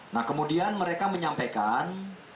nah kemudian mereka menyampaikan